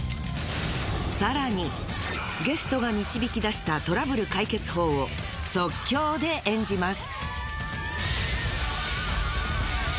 さらにゲストが導き出したトラブル解決法を即興で演じます